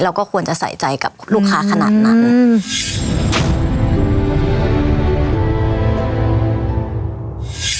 เราก็ควรจะใส่ใจกับลูกค้าขนาดนั้นอืม